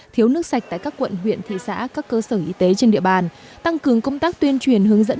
thiếu nước sạch tại các quận huyện thị xã các cơ sở y tế trên địa bàn tăng cường công tác tuyên truyền hướng dẫn